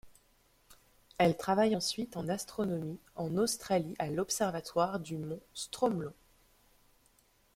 Elle travaille ensuite en astronomie en Australie à l'observatoire du Mont Stromlo.